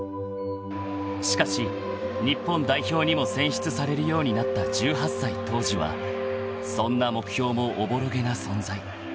［しかし日本代表にも選出されるようになった１８歳当時はそんな目標もおぼろげな存在］